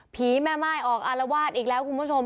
แม่ม่ายออกอารวาสอีกแล้วคุณผู้ชม